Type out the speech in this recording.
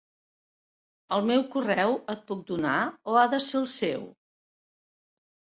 El meu correu, et puc donar, o ha de ser el seu?